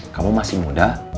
kamu masih muda